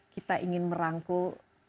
kita ingin merangkul